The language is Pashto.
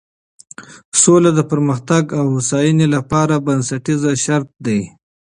سوله د پرمختګ او هوساینې لپاره بنسټیز شرط دی.